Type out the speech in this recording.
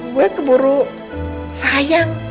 gue keburu sayang